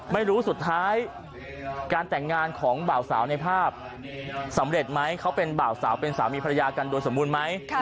ไม่รู้สุดท้ายการแต่งงานของบ่าวสาวในภาพสำเร็จไหมเขาเป็นบ่าวสาวเป็นสามีภรรยากันโดยสมบูรณ์ไหม